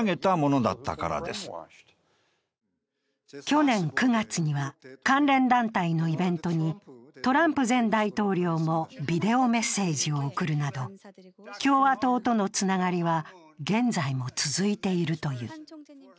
去年９月には、関連団体のイベントにトランプ前大統領もビデオメッセージを送るなど共和党とのつながりは現在も続いているという。